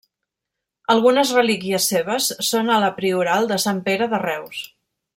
Algunes relíquies seves són a la Prioral de Sant Pere de Reus.